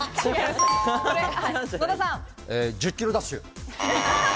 １０キロダッシュ。